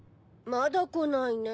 まだこないね。